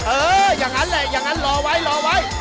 เอออย่างนั้นแหละอย่างนั้นรอไว้รอไว้